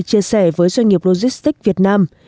chia sẻ với doanh nghiệp logistic việt nam